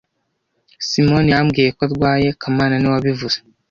Simoni yambwiye ko arwaye kamana niwe wabivuze